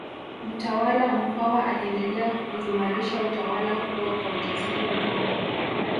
Mtawala Mkwawa aliendelea kuuimarisha utawala huo kwa ujasiri mkubwa